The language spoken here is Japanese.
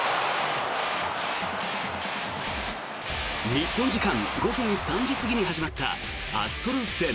日本時間午前３時過ぎに始まったアストロズ戦。